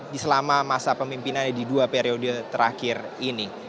di selama masa pemimpinannya di dua periode terakhir ini